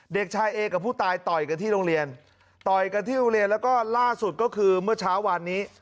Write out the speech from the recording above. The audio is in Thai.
เด็กชายเอกับผู้ตายต่อยกันที่โรงเรียนต่อยกันที่โรงเรียนแล้วก็ล่าสุดก็คือเมื่อเช้าวานนี้